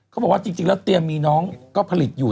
เขาบอกว่าจริงแล้วเตรียมมีน้องก็ผลิตอยู่